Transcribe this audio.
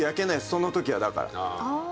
その時はだから。